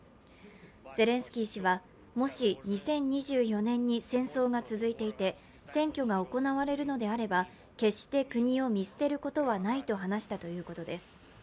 ゼレンスキー氏はもし２０２４年に戦争が続いていて選挙が行われるのであれば決して国を見捨てることはないと話したということです。